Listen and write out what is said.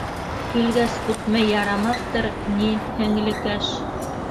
Килгәс, үтмәй ярамаҫтыр, ни... һеңлекәш...